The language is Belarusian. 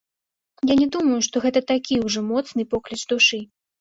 Я не думаю, што гэта такі ўжо моцны покліч душы.